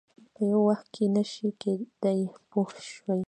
په یو وخت کې نه شي کېدای پوه شوې!.